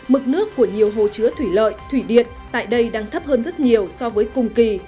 mực nước của nhiều hồ chứa thủy lợi thủy điện tại đây đang thấp hơn rất nhiều so với cùng kỳ